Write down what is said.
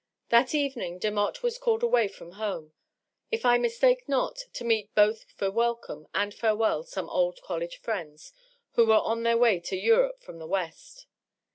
That evening Demotte was called away from home — if I mistake not, to meet both for welcome and farewell some old coU^e friends who were on their way to Europe from the West.